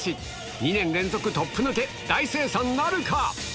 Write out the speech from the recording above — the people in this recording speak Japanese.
２年連続トップ抜け、大精算なるか。